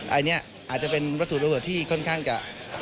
อันนี้อาจจะเป็นวัตถุระเบิดที่ค่อนข้างจะ